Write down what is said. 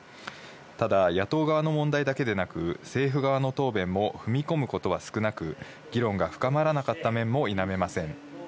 ただ野党側の問題だけでなく、政府側の答弁も踏み込むことは少なく、議論が深まらなかった面も否めません。